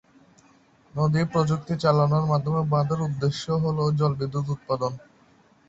নদী প্রযুক্তি চালানোর মাধ্যমে বাঁধের উদ্দেশ্য হল জলবিদ্যুৎ উৎপাদন।